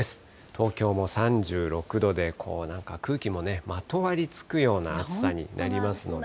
東京も３６度で、なんかこう、空気のまとわりつくような暑さになりますので。